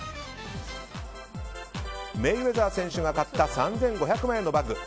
メイウェザー選手が買った３５００万円のバッグ。